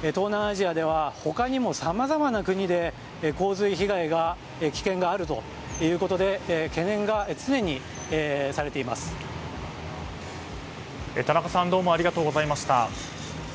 東南アジアでは他にもさまざまな国で洪水被害の危険があるということで田中さんどうもありがとうございました。